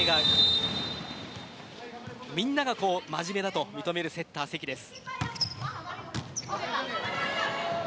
みんなが真面目だと認めるセッターの関です。